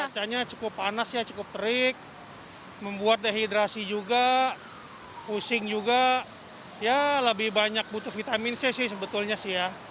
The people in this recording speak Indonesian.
cuacanya cukup panas ya cukup terik membuat dehidrasi juga pusing juga ya lebih banyak butuh vitamin c sih sebetulnya sih ya